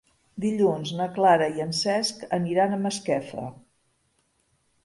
Dilluns na Clara i en Cesc aniran a Masquefa.